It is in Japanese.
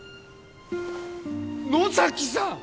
野崎さん！